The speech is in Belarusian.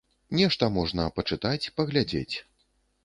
Нешта можна пачытаць, паглядзець.